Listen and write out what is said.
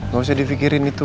gak usah dipikirin itu